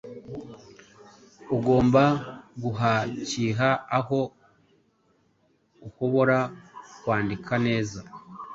ugomba guhakiha aho uhobora kwandika neza